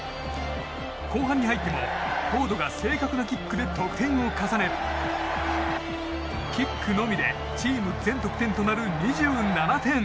後半に入っても、フォードが正確なキックで得点を重ねキックのみでチームの全得点となる２７点。